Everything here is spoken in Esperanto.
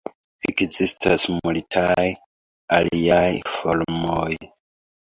Ekzistas multaj aliaj formoj.